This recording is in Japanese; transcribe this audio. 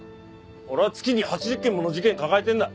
俺は月に８０件もの事件抱えてるんだ。